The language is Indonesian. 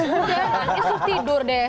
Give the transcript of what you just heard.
nangis tuh tidur deh